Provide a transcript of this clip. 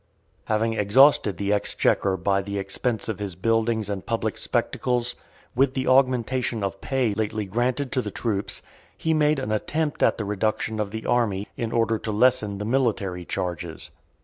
XII. Having exhausted the exchequer by the expense of his buildings and public spectacles, with the augmentation of pay lately granted to the troops, he made an attempt at the reduction of the army, in order to lessen the military charges.